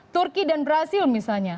turki dan brazil misalnya